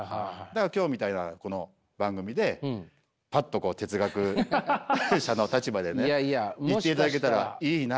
だから今日みたいなこの番組でぱっとこう哲学者の立場でね言っていただけたらいいなと思うんだけど。